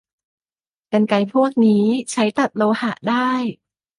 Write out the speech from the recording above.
กรรไกรพวกนี้ใช้ตัดโลหะได้